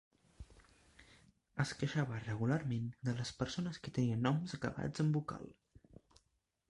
Es queixava regularment de les persones que tenien noms acabats en vocal.